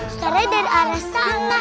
sekarang ada arah salah